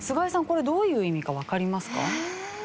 これどういう意味かわかりますか？